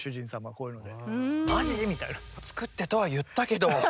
こういうのをね作ってとは言ったけど！